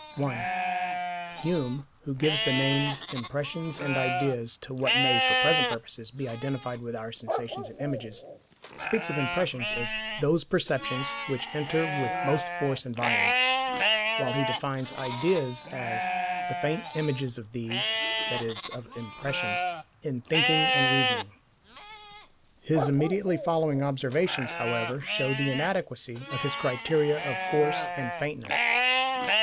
(1) Hume, who gives the names "impressions" and "ideas" to what may, for present purposes, be identified with our "sensations" and "images," speaks of impressions as "those perceptions which enter with most force and violence" while he defines ideas as "the faint images of these (i.e. of impressions) in thinking and reasoning." His immediately following observations, however, show the inadequacy of his criteria of "force" and "faintness."